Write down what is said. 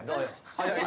・早い。